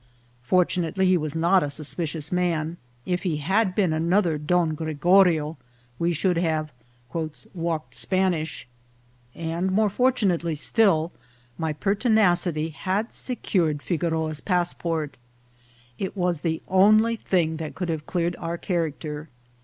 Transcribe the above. Fortunately, he was not a suspicious man ; if he had been another Don Gregorio we should have " walked Spanish ;" and, more fortunately still, my pertinacity had secured Figoroa's passport ; it was the only thing that could have cleared our character.